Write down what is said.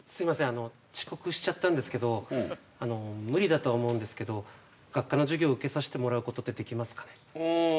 あの遅刻しちゃったんですけどうんあの無理だとは思うんですけど学科の授業受けさせてもらうことってできますかねああ